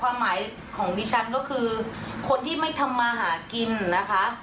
ความหมายของดิฉันก็คือคนที่ไม่ทำมาหากินนะคะ